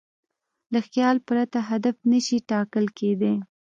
له خیال پرته هدف نهشي ټاکل کېدی.